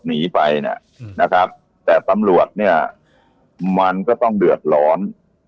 หนีไปนะแต่สำรวจเนี่ยมันก็ต้องเดือดร้อน